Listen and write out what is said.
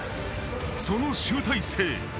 その集大成。